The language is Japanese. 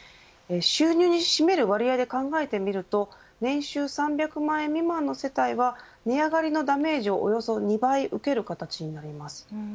収入に占める割合で考えると年収３００万円未満の世帯は値上がりのダメージをおよそ２倍受ける形になります。